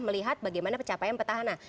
melihat bagaimana pencapaian petahana